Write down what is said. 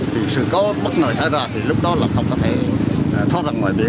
thì sự có bất ngờ xảy ra thì lúc đó là không có thể thoát ra ngoài biển